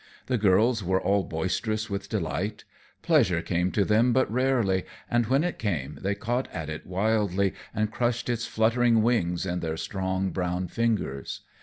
The girls were all boisterous with delight. Pleasure came to them but rarely, and when it came, they caught at it wildly and crushed its fluttering wings in their strong brown fingers.